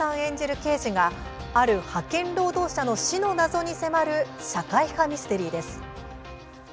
刑事がある派遣労働者の死の謎に迫る社会派ミステリーです。